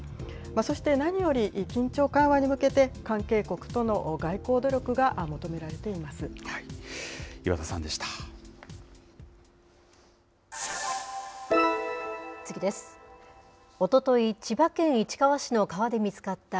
そして何より、緊張緩和に向けて、関係国との外交努力が求められて岩田さんでした。